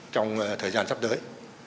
trong thời gian sắp tới